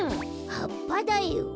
はっぱだよ。